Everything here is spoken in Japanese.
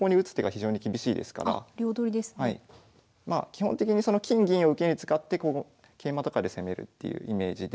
基本的にその金銀を受けに使って桂馬とかで攻めるっていうイメージで。